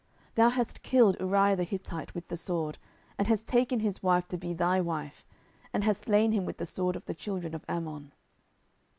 thou hast killed Uriah the Hittite with the sword, and hast taken his wife to be thy wife, and hast slain him with the sword of the children of Ammon.